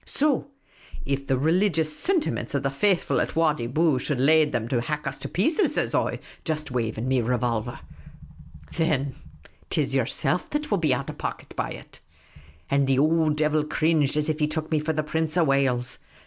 So if the religious sintiments of the faithful at Wadi Bou should lade them to hack us to pieces,' says I, just waving nie revolver, ' thin EMPHASIS. 't is yerself that will be out of pocket by it,' And the ould diwil cringed as if he took nie for the Prince of Wales.